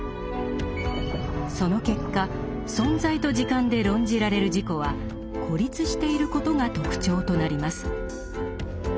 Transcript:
その結果「存在と時間」で論じられる「自己」は孤立していることが特徴となります。